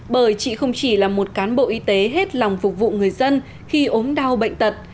bởi chị không chỉ là một cán bộ y tế hết lòng phục vụ người dân khi ốm đau bệnh tật